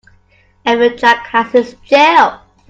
Every Jack has his Jill.